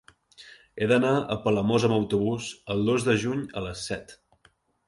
He d'anar a Palamós amb autobús el dos de juny a les set.